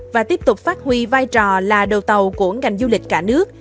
và tiếp tục phát huy vai trò là đầu tàu của ngành du lịch cả nước